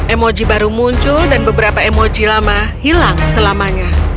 emoji baru muncul dan beberapa emoji lama hilang selamanya